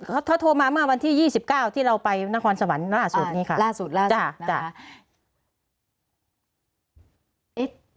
เขาโทรมาเมื่อวันที่๒๙ที่เราไปนครสวรรค์ล่าสุดนี้ค่ะ